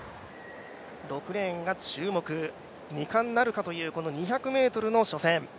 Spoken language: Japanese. ６レーンが注目、２冠なるかという２００ｍの予選。